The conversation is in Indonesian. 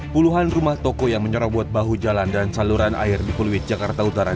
puluhan rumah toko yang menyerobot bahu jalan dan saluran air di fluid jakarta utara